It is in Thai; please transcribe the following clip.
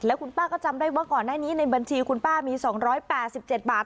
แล้วคุณป้าก็จำได้ว่าก่อนหน้านี้ในบัญชีคุณป้ามี๒๘๗บาท